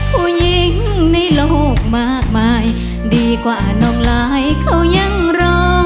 ผู้หญิงในโลกมากมายดีกว่าน้องลายเขายังรอ